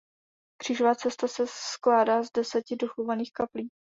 Křížová cesta se skládá z deseti dochovaných kaplí.